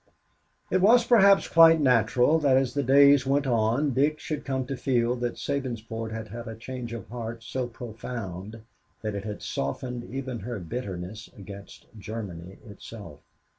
It was perhaps quite natural that, as the days went on, Dick should come to feel that Sabinsport had had a change of heart so profound that it had softened even her bitterness against Germany, itself.